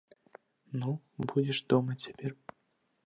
Ну, будзеш дома цяпер.